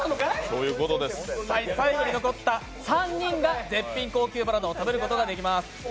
最後に残った３人が絶品高級バナナを食べることができます。